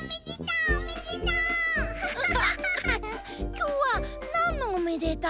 きょうはなんのおめでた？